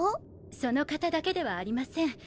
その方だけではありません。